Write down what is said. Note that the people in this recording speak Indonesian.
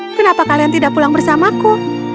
kenapa kalian tidak pulang bersamaku